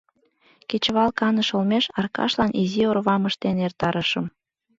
Кечывал каныш олмеш Аркашлан изи орвам ыштен эртарышым.